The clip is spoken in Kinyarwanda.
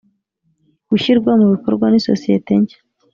gushyirwa mu bikowa n isosiyete nshya